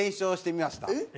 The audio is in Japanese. えっ！